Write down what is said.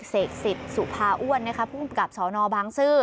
เสกศิษฐ์สุภาอ้วนนะครับผู้ประกับสอนอบังซื้อ